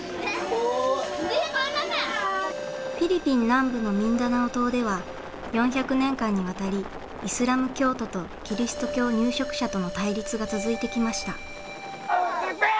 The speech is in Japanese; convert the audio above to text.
フィリピン南部のミンダナオ島では４００年間にわたりイスラム教徒とキリスト教入植者との対立が続いてきました。